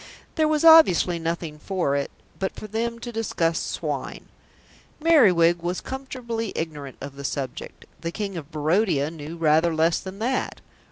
There was obviously nothing for it but for them to discuss swine. Merriwig was comfortably ignorant of the subject. The King of Barodia knew rather less than that.